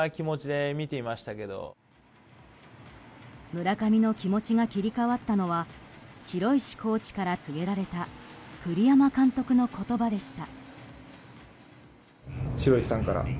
村上の気持ちが切り替わったのは城石コーチから告げられた栗山監督の言葉でした。